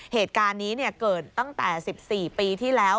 เหตุการณ์นี้เกิดตั้งแต่๑๔ปีที่แล้ว